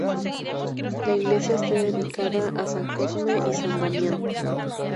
La iglesia está dedicada a san Cosme y san Damián.